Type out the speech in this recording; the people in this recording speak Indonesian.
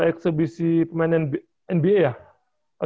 eksebisi pemain nba ya